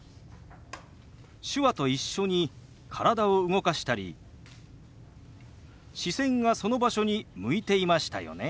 手話と一緒に体を動かしたり視線がその場所に向いていましたよね。